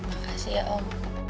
terima kasih om